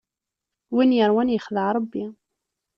Win iṛwan ixdeɛ Ṛebbi.